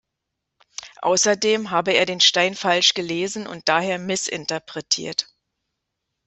Außerdem habe er den Stein falsch gelesen und daher missinterpretiert.